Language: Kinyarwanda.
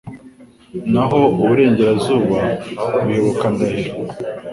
naho uburengerazuba buyoboka Ndahiro.